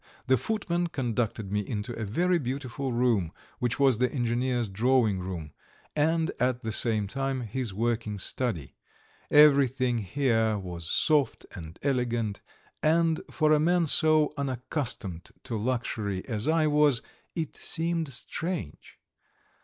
The footman conducted me into a very beautiful room, which was the engineer's drawing room, and, at the same time, his working study. Everything here was soft and elegant, and, for a man so unaccustomed to luxury as I was, it seemed strange.